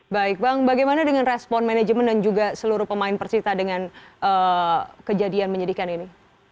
baik bang bagaimana dengan respon manajemen dan juga seluruh pemain persita dengan kejadian menyedihkan ini